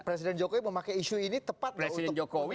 presiden jokowi memakai isu ini tepat untuk menunjukkan hoax